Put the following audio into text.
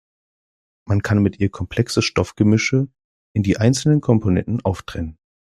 Man kann mit ihr komplexe Stoffgemische in die einzelnen Komponenten auftrennen.